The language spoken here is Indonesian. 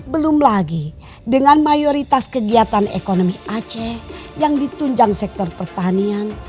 belum lagi dengan mayoritas kegiatan ekonomi aceh yang ditunjang sektor pertanian